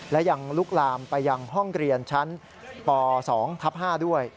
และยังลุกลามไปยังห้องเรียนชั้นป๒ทับ๕ด้วย